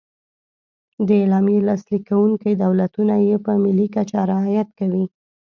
د اعلامیې لاسلیک کوونکي دولتونه یې په ملي کچه رعایت کوي.